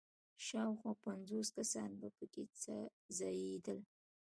شاوخوا پنځوس کسان په کې ځایېدل.